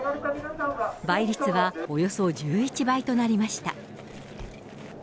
倍率はおよそ１１倍となりました。